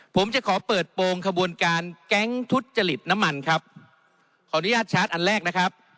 ผมจะขอเปิดโปรงขบวนการแก๊งทุจริตน้ำมันครับขออนุญาตชาร์จอันแรกนะครับ